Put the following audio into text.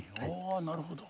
ああなるほど。